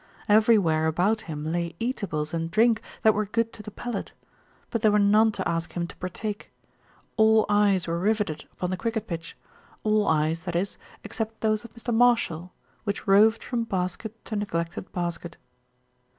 Everywhere about him lay eatables and drink that were good to the palate; but there were none to ask him to partake. All eyes were rivetted upon the cricket pitch, all eyes, that is except those of SMITH BECOMES A POPULAR HERO 203 Mr. Marshall, which roved from basket to neglected basket.